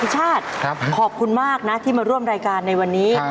ชาติขอบคุณมากนะที่มาร่วมรายการในวันนี้